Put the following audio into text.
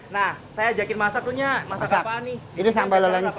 nah saya ajakin masak lo nyak masak apaan nih